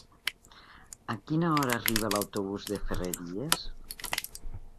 A quina hora arriba l'autobús de Ferreries?